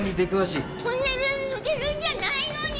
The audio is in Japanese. トンネル抜けるんじゃないのにゃ？